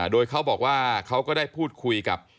โดยเขาบอกว่าเขาก็ได้พูดคุยกับ